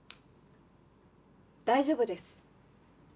大丈夫です。